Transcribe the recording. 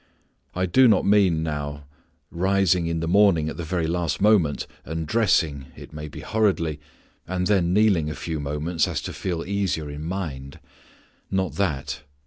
I do not mean now: rising in the morning at the very last moment, and dressing, it may be hurriedly, and then kneeling a few moments so as to feel easier in mind: not that.